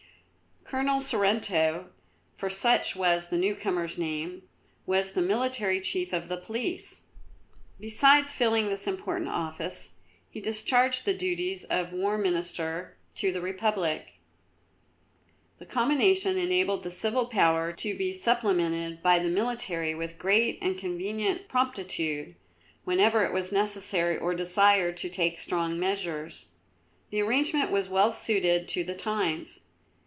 Colonel Sorrento, for such was the newcomer's name, was the military chief of the Police. Besides filling this important office, he discharged the duties of War Minister to the Republic. The combination enabled the civil power to be supplemented by the military with great and convenient promptitude, whenever it was necessary or desirable to take strong measures. The arrangement was well suited to the times.